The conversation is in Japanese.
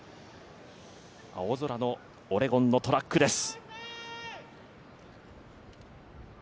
青空のオレゴンのトラックです。